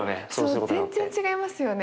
全然違いますよね。